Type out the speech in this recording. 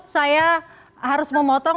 saya harus memotong